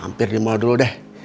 hampir di mall dulu deh